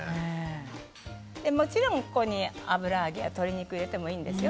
もちろん、ここに油揚げや鶏肉を入れてもいいんですよ。